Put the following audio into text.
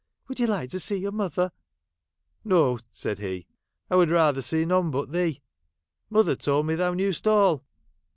Would you like to see your mother ?'' No !' said he. ' I would rather see none but thee. Mother told me thou knew'st all.'